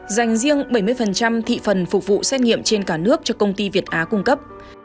dành riêng bảy mươi thị phần phục vụ xét nghiệm trên cả nước cho công ty việt á cung cấp